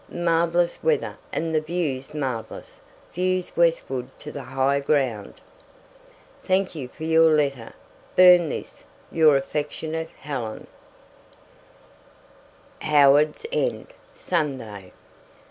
Marvellous weather and the view's marvellous views westward to the high ground. Thank you for your letter. Burn this. Your affectionate Helen HOWARDS END, SUNDAY.